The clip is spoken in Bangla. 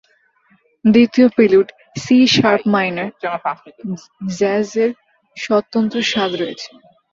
দ্বিতীয় প্রিলুড, সি-শার্প মাইনর, জ্যাজের স্বতন্ত্র স্বাদ রয়েছে।